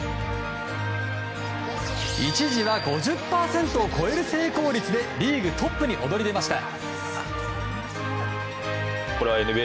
一時は５０％を超える成功率でリーグトップに躍り出ました。